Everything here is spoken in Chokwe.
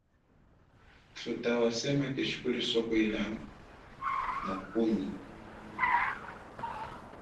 Thutha wasema keshi kuli sohwela mukunyi.